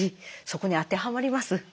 そこに当てはまります。